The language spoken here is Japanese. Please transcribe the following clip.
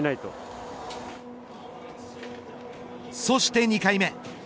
そして２回目。